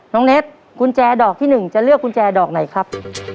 เน็ตกุญแจดอกที่๑จะเลือกกุญแจดอกไหนครับ